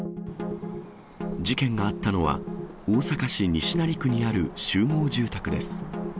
事件があったのは、大阪市西成区にある集合住宅です。